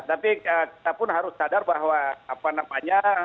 tapi kita pun harus sadar bahwa apa namanya